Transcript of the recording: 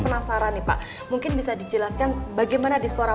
melakukan pen tensioning agar bisa meny acerca